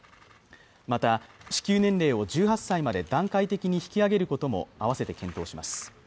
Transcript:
また支給年齢を１８歳まで段階的に引き上げることも併せて検討します